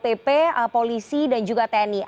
jadi ini adalah tanggung jawab dari upp polisi dan juga tni